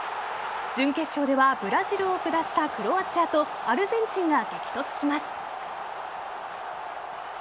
準決勝ではブラジルを下したクロアチアとアルゼンチンが激突します。